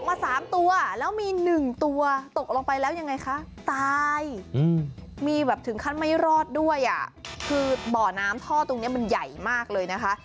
มาสามตัวแล้วมีหนึ่งตัวตกลงไปแล้วยังไงคะตายมีแบบถึงขั้นไม่รอดด้วยอ่ะคือบ่อน้ำท่อตรงนี้มันใหญ่มากเลยนะคะ